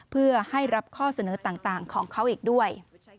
เพื่อให้รับข้อเสนอต่างของเขาอีกด้วย